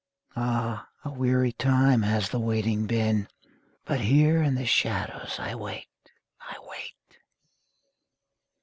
Ah, a weary time has the waiting been, But here in the shadows I wait, I wait!